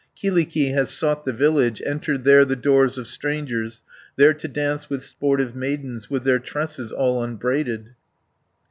Kyllikki has sought the village, Entered there the doors of strangers, There to dance with sportive maidens, With their tresses all unbraided."